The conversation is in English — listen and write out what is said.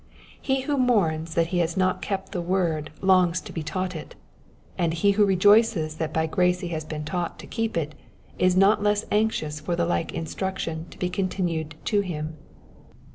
He who mourns that he has not kept the word longs to be taught it, and he who rejoices that by grace he has been taught to keep it is not less anxious for the like instruction to be continued to him.